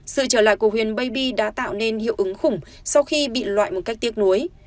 sự trở lại của huyền baybi đã tạo nên hiệu ứng khủng sau khi bị loại một cách tiếc nuối